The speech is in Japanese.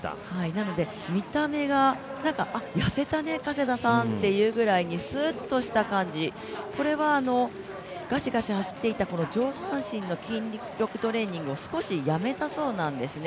なので見た目が、痩せたね、加世田さんっていうぐらいにすーっとした感じ、これはがしがし走っていた上半身の筋力トレーニングを少しやめたそうなんですね。